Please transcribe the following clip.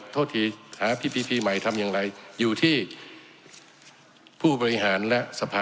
โทษทีหาพีพีทีใหม่ทำอย่างไรอยู่ที่ผู้บริหารและสภา